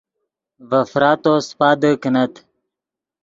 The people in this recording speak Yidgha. ڤے فراتو سیپادے کینت